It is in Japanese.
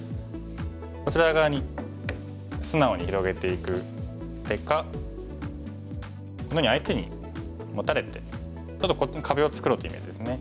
こちら側に素直に広げていく手かこんなふうに相手にモタれてちょっと壁を作ろうというイメージですね。